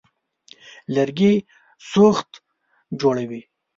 لرګي سوخت جوړوي.